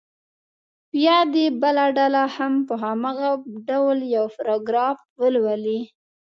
بیا دې بله ډله هم په هماغه ډول یو پاراګراف ولولي.